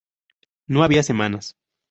No había semanas.